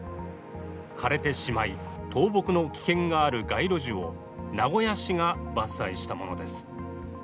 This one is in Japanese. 枯れてしまい、倒木の危険がある街路樹を名古屋市が伐採したものです。